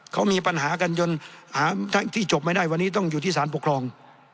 เขามีปัญหากันจนหาทั้งที่จบไม่ได้วันนี้ต้องอยู่ที่สารปกครอง